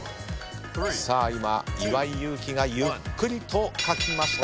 さあ今岩井勇気がゆっくりと書きました。